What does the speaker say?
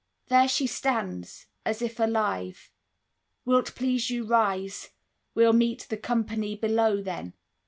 There she stands As if alive. Will't please you rise? We'll meet The company below, then.